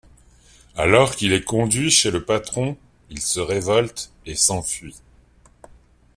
Alors qu'il est conduit chez le patron, il se révolte et s'enfuit.